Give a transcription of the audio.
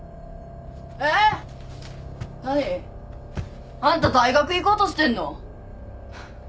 えぇ⁉何？あんた大学行こうとしてんの？